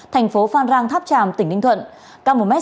thành phố phan rang tháp tràm tỉnh ninh thuận